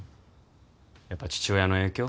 やっぱ父親の影響？